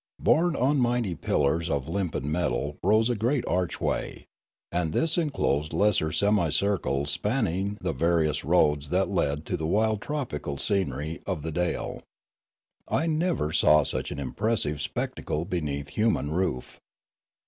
Borne on mighty pillars of limpid metal rose a great archway ; and this enclosed lesser semicircles spanning the vari ous roads that led into the wild tropical scenery of the 63 64 Limanora dale. I never saw such an impressive spectacle be neath human roof.